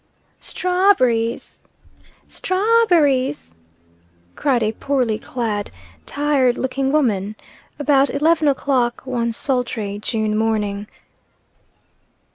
"Strawb'rees! Strawb'rees! cried a poorly clad, tired looking woman, about eleven o clock one sultry June morning.